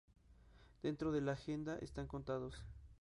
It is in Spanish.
Dentro de la agenda están contados.